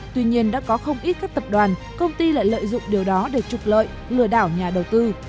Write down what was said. tuy nhiên đã có không ít các tập đoàn công ty lại lợi dụng điều đó để trục lợi lừa đảo nhà đầu tư